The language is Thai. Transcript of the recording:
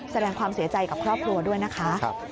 แสดงความเสียใจกับครอบครัวด้วยนะคะ